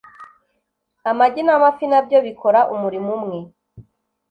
amagi n’amafi nabyo bikora umurimo umwe